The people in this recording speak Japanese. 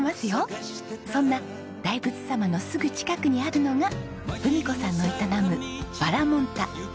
そんな大仏様のすぐ近くにあるのが文子さんの営むバラモン太。